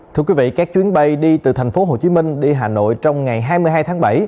thưa quý vị các chuyến bay đi từ thành phố hồ chí minh đi hà nội trong ngày hai mươi hai tháng bảy